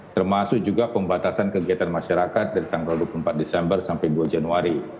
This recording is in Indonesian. termasuk juga pembatasan kegiatan masyarakat dari tanggal dua puluh empat desember sampai dua januari